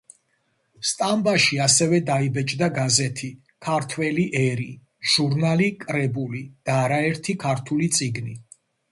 სტამბაში ასევე დაიბეჭდა გაზეთი „ქართველი ერი“, ჟურნალი „კრებული“ და არაერთი ქართული წიგნი.